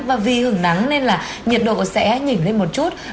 và vì hứng nắng nên là nhiệt độ sẽ nhìn lên một chút